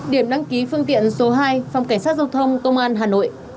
điểm đăng ký phương tiện số hai phòng cảnh sát giao thông công an hà nội